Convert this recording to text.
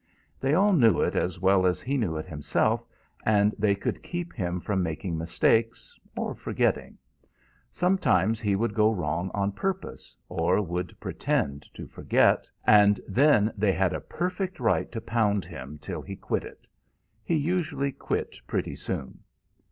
They all knew it as well as he knew it himself, and they could keep him from making mistakes, or forgetting. Sometimes he would go wrong on purpose, or would pretend to forget, and then they had a perfect right to pound him till he quit it. He usually quit pretty soon.